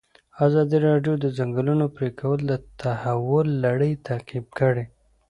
ازادي راډیو د د ځنګلونو پرېکول د تحول لړۍ تعقیب کړې.